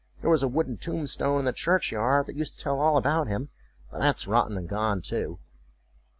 There was a wooden tombstone in the church yard that used to tell all about him, but that's rotten and gone too."